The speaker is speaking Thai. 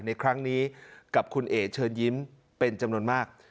ในครั้งนี้กับคุณเอ๋เชิญยิ้มเป็นจำนวนมาก